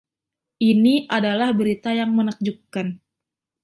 Ini adalah berita yang menakjubkan.